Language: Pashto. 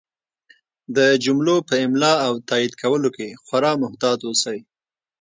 د جملو په املا او تایید کولو کې خورا محتاط اوسئ!